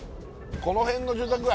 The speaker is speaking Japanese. この辺の住宅街